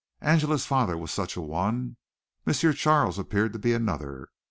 Angela's father was such an one. M. Charles appeared to be another.